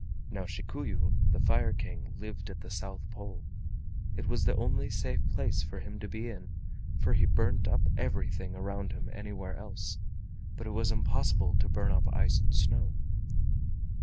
Now Shikuyu, the Fire King, lived at the South Pole. It was the only safe place for him to be in, for he burnt up everything around him anywhere else, but it was impossible to burn up ice and snow.